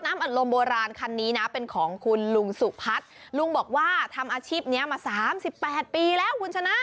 อัดลมโบราณคันนี้นะเป็นของคุณลุงสุพัฒน์ลุงบอกว่าทำอาชีพนี้มาสามสิบแปดปีแล้วคุณชนะ